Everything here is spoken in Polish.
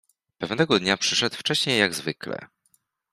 Pewnego dnia przyszedł wcześniej jak zwykle.